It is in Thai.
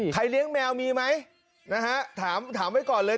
เลี้ยงแมวมีไหมนะฮะถามไว้ก่อนเลย